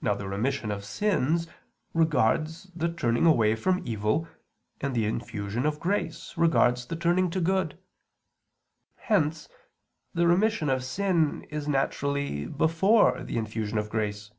Now the remission of sins regards the turning away from evil, and the infusion of grace regards the turning to good. Hence the remission of sin is naturally before the infusion of grace.